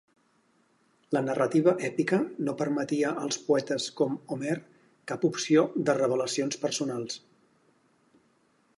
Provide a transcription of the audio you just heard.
La narrativa èpica no permetia als poetes com Homer cap opció de revelacions personals.